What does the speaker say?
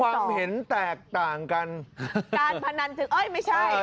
ความเห็นแตกต่างกันการพนันถึงเอ้ยไม่ใช่